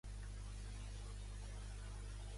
Els americans ho saben fer rebé.